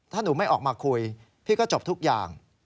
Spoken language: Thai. ถ้าหนูไม่ออกมาคุยพี่ก็จบทุกอย่าง